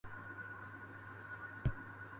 یو تاکت کسی دؔوجے کُو دؔیکھائیں